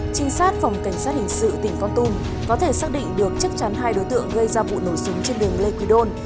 trinh sát phòng cảnh sát hình sự tỉnh con tum có thể xác định được chắc chắn hai đối tượng gây ra vụ nổ súng trên đường lê quỳ đôn